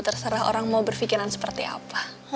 terserah orang mau berpikiran seperti apa